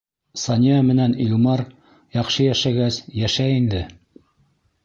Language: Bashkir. Сания менән Илмар яҡшы йәшәгәс, йәшәй инде.